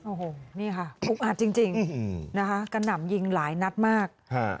โอ้โหนี่ค่ะอุกอาจจริงนะคะกระหน่ำยิงหลายนัดมาก